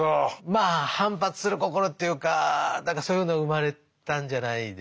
まあ反発する心というか何かそういうのが生まれたんじゃないでしょうかね。